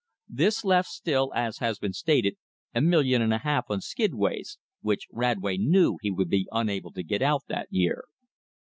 This left still, as has been stated, a million and a half on skidways, which Radway knew he would be unable to get out that year.